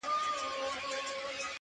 هغه چي په لفظونو کي بې هم پښه وهل _